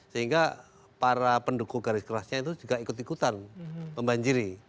sehingga para pendukung garis kerasnya itu juga ikut ikutan membanjiri